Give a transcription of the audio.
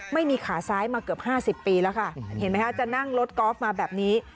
ไม่มีขาซ้ายมาเกือบ๕๐ปีแล้วค่ะเห็นไหมคะจะนั่งรถกอล์ฟมาแบบนี้